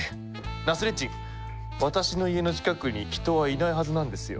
ナスレッディン「私の家の近くに人はいないはずなんですよ」。